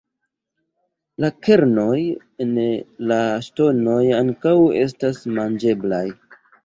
La kernoj en la ŝtonoj ankaŭ estas manĝeblaj.